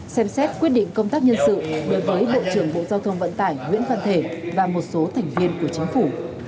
xem xét quyết định công tác nhân sự đối với bộ trưởng bộ giao thông vận tải nguyễn văn thể và một số thành viên của chính phủ